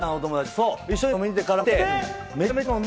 そう。